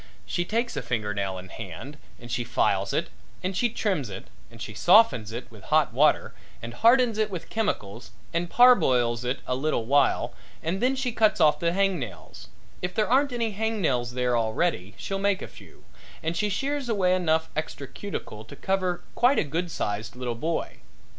She takes a finger nail in hand and she files it and she trims it and she softens it with hot water and hardens it with chemicals and parboils it a little while and then she cuts off the hang nails if there aren't any hang nails there already she'll make a few and she shears away enough extra cuticle to cover quite a good sized little boy.